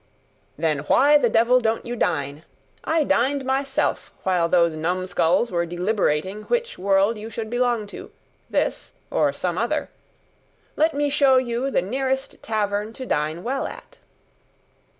"Then why the devil don't you dine? I dined, myself, while those numskulls were deliberating which world you should belong to this, or some other. Let me show you the nearest tavern to dine well at."